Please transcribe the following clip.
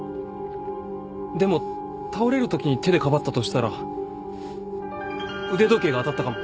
でも倒れるときに手でかばったとしたら腕時計が当たったかも。